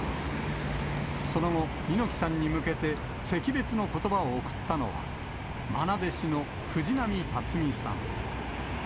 その後、猪木さんに向けて惜別のことばを送ったのは、まな弟子の藤波辰爾さん。